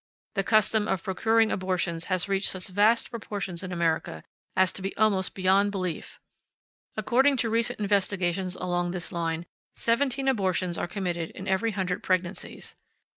The custom of procuring abortions has reached such vast proportions in America as to be almost beyond belief. According to recent investigations along this line, seventeen abortions are committed in every hundred pregnancies.